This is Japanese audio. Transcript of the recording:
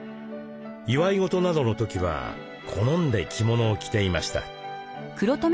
祝い事などの時は好んで着物を着ていました。